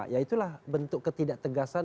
ya itulah bentuk ketidak tegasan